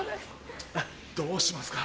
どうしますか？